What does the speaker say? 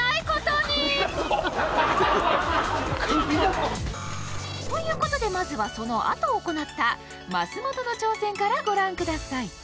クビだぞクビだぞ。ということでまずはそのあと行った増本の挑戦からご覧ください